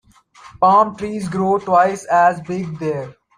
Palm trees grow twice as big there.